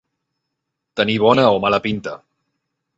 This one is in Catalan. Tenir bona o mala pinta.